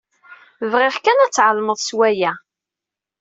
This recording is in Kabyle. Bɣiɣ kan ad tɛelmeḍ s waya.